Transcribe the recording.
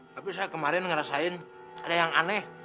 tapi saya kemarin ngerasain ada yang aneh